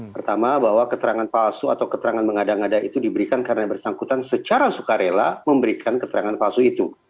pertama bahwa keterangan palsu atau keterangan mengada ngada itu diberikan karena yang bersangkutan secara sukarela memberikan keterangan palsu itu